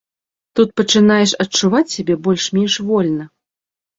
Тут пачынаеш адчуваць сябе больш-менш вольна.